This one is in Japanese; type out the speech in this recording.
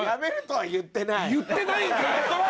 言ってないんかい！